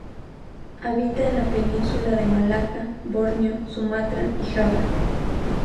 Habita en la Península de Malaca, Borneo, Sumatra y Java.